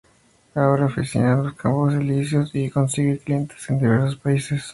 Abre una oficina en los Campos Elíseos, y consigue clientes en diversos países.